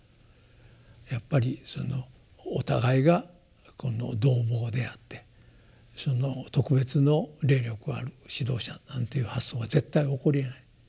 やっぱりお互いがこの同朋であってその特別の霊力ある指導者なんていう発想は絶対起こりえない。